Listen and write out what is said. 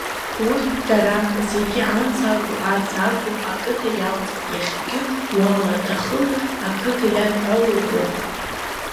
Урҭ дара зегьы анс акәу, арс акәу ақыҭа иалҵыз, иахьагьы уала-ҭахыла ақыҭа иадҳәалоу роуп.